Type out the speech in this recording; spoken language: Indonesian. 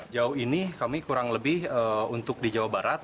jauh ini kami kurang lebih untuk di jawa barat